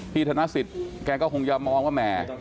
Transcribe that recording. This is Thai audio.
พี่ธนสิตแกก็คงจะมองว่าแหม